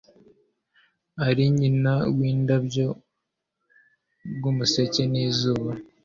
Ari nyina windabyo bwumuseke nizuba